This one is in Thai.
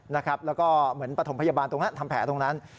แล้วก็เหมือนปฐมพยาบาลตรงนั้นทำแผลตรงนั้น